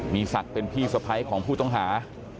มีศักดิ์เป็นพี่สะพ้ายของผู้ต้องหา